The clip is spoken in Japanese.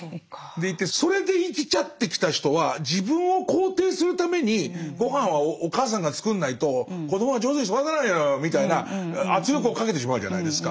でいてそれで生きちゃってきた人は自分を肯定するためにごはんはお母さんが作んないと子どもは上手に育たないのよみたいな圧力をかけてしまうじゃないですか。